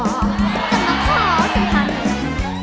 จะมาขอสังพันธ์